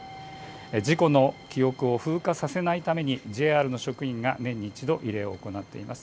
事故の記憶を風化させないためにＪＲの職員が年に１度慰霊を行っています。